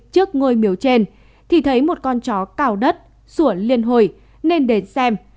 trước ngôi miếu trên thì thấy một con chó cào đất sủa liên hồi nên đến xem